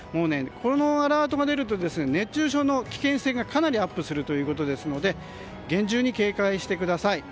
このアラートが出ると熱中症の危険性がかなりアップするということですので厳重に警戒してください。